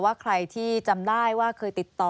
ว่าใครที่จำได้ว่าเคยติดต่อ